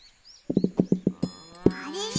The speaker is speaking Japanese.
あれれ？